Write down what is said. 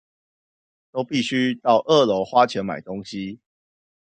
都必須到二樓花錢買東西